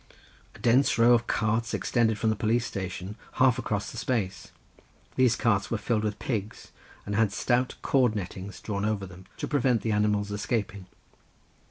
A dense row of carts extended from the police station, half across the space. These carts were filled with pigs, and had stout cord nettings drawn over them, to prevent the animals escaping.